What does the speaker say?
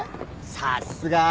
さっすが。